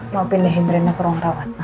mau pilihin rena ke ruang rawat